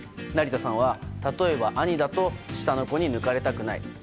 成田さんは例えば兄だと下の子に抜かれたくない。